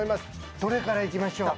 どれからいきましょうか。